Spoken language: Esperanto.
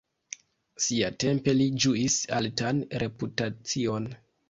Siatempe li ĝuis altan reputacion.